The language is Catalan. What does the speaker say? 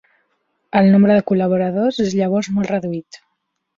El nombre de col·laboradors és llavors molt reduït.